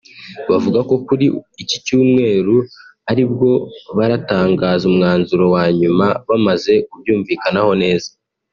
bavuga ko kuri iki Cyumweru ari bwo baratangaza umwanzuro wa nyuma bamaze kubyumvikanaho neza